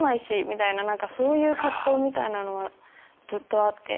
みたいなそういう藤みたいなのはずっとあって。